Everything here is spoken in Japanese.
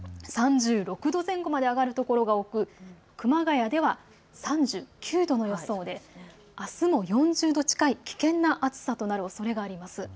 ３６度前後まで上がる所が多く熊谷では３９度の予想であすも４０度近い危険な暑さとなるおそれがあります。